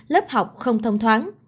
lớp học không thông thoáng